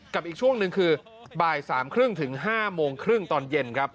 กับอีกช่วงหนึ่งคือบ่าย๓๓๐ถึง๕๓๐ตอนเย็นครับ